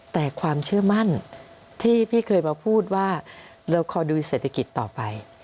แต่ความเชื่อมั่นที่พี่เคยมาพูดว่าเราคอยดูเศรษฐกิจต่อไป